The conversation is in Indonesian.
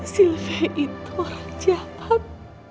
sylvia itu orang jahat